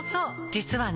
実はね